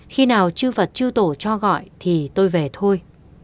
khi nào chư phật trư tổ cho gọi thì tôi về thôi